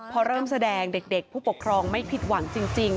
พอเริ่มแสดงเด็กผู้ปกครองไม่ผิดหวังจริง